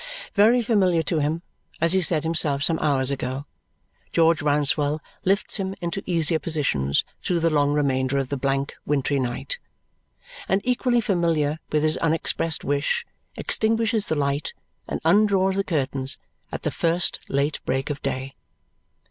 Very familiar to him, as he said himself some hours ago, George Rouncewell lifts him into easier positions through the long remainder of the blank wintry night, and equally familiar with his unexpressed wish, extinguishes the light and undraws the curtains at the first late break of day.